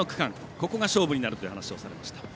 ここが勝負になるという話をされました。